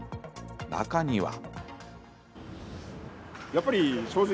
中には。